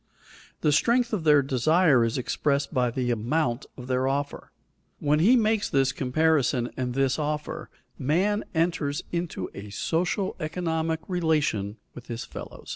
The strength of their desire is expressed by the amount of their offer. When he makes this comparison and this offer, man enters into a social, economic relation with his fellows.